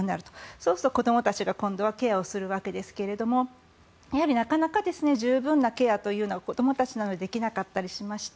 そうすると子どもたちが今度はケアをするわけですがやはりなかなか十分なケアというのは子どもたちなのでできなかったりしまして